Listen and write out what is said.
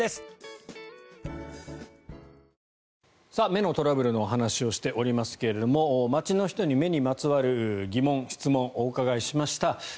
目のトラブルのお話をしておりますが街の人に目にまつわる疑問・質問お伺いしました。